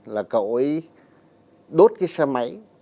là cậu ấy đốt cái xe máy